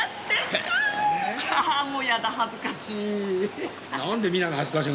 もうやだ恥ずかしい。